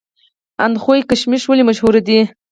اندخوی کشمش ولې مشهور دي؟